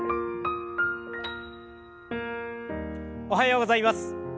おはようございます。